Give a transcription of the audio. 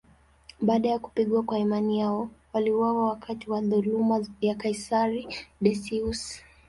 Baada ya kupigwa kwa imani yao, waliuawa wakati wa dhuluma ya kaisari Decius.